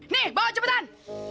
nih bawa cepetan